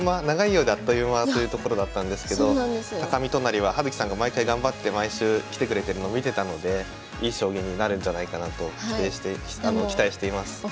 長いようであっという間というところだったんですけど見都成は葉月さんが毎回頑張って毎週来てくれてるの見てたのでいい将棋になるんじゃないかなと期待しています。